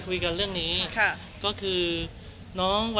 เรียกงานไปเรียบร้อยแล้ว